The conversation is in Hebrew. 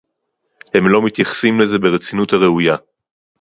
הם לא מתייחסים לזה ברצינות הראויה